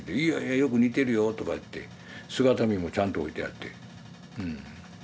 「いやいやよく似てるよ」とか言って姿見もちゃんと置いてあってうん。